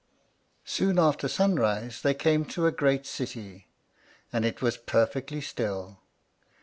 Soon after sunrise they came to a great city, and it was perfectly still.